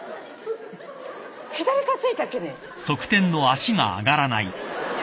左からついたっけね？